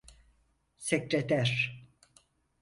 Sekreter…